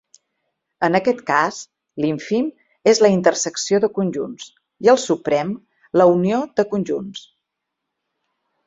En aquest cas, l'ínfim és la intersecció de conjunts i el suprem, la unió de conjunts.